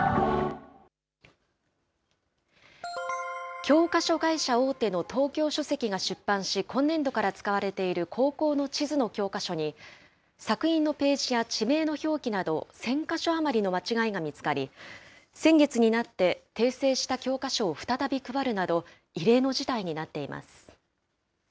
教科書会社大手の東京書籍が出版し、今年度から使われている高校の地図の教科書に、索引のページや地名の表記など、１０００か所余りの間違いが見つかり、先月になって訂正した教科書を再び配るなど、異例の事態になっています。